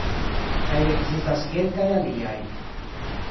Kaj ekzistas kelkaj aliaj.